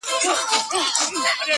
له تش چمن او لاله زار سره مي نه لګیږي-